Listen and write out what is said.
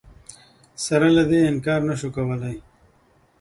سره له دې انکار نه شو کولای